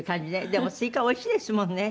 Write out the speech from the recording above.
でもスイカおいしいですもんね。